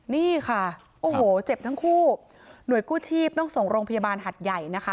นี่ค่ะโอ้โหเจ็บทั้งคู่หน่วยกู้ชีพต้องส่งโรงพยาบาลหัดใหญ่นะคะ